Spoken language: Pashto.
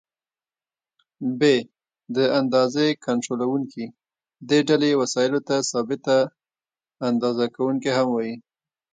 ب: د اندازې کنټرولوونکي: دې ډلې وسایلو ته ثابته اندازه کوونکي هم وایي.